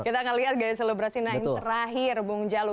kita akan lihat gaya selebrasi terakhir bung jalu